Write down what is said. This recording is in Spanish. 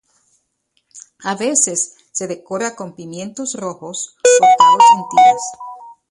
A veces se decora con pimientos rojos cortados en tiras.